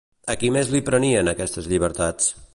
A qui més li prenien aquestes llibertats?